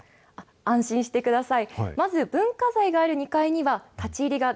安心してください。